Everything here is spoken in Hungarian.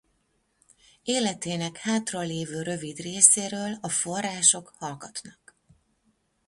Életének hátralévő rövid részéről a források hallgatnak.